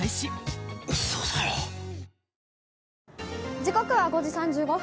時刻は５時３５分。